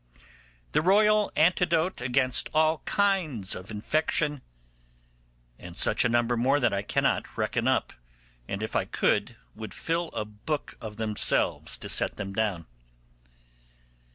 'The royal antidote against all kinds of infection';—and such a number more that I cannot reckon up; and if I could, would fill a book of themselves to set them down.